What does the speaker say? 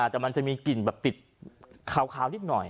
แต่มันจะมีกลิ่นแบบติดคาวนิดหน่อย